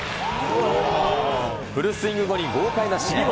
フルスイング後に豪快な尻餅。